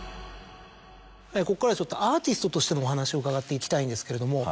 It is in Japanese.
ここからはアーティストとしてのお話を伺っていきたいんですけれども。